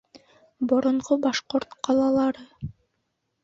Боронғо башҡорт ҡалалары